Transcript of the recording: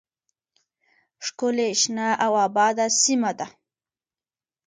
ښکلې شنه او آباده سیمه ده